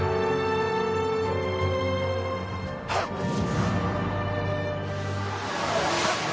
はっ。